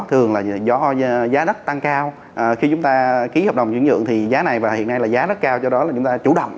thường là do giá đất tăng cao khi chúng ta ký hợp đồng chuyển nhượng thì giá này và hiện nay là giá rất cao do đó là chúng ta chủ động